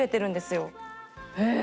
へえ！